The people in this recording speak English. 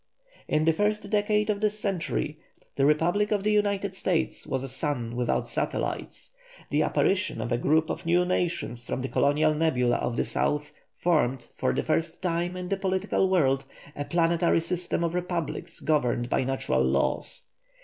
In the first decade of this century the republic of the United States was a sun without satellites. The apparition of a group of new nations from the colonial nebula of the South, formed, for the first time in the political world, a planetary system of republics governed by natural laws.